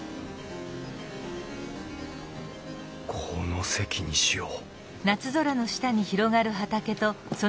この席にしよう